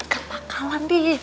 gak takalan di